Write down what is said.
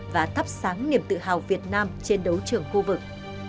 và thắp sáng niềm tự hào việt nam trên đấu trường khu vực